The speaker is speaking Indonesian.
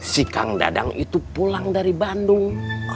si kang dadang itu pulang dari bandung